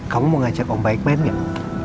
kamu mau ngajak om baik main gak